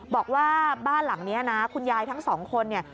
บอกว่าบ้านหลังนี้นะคุณยายทั้งสองคนเนี่ย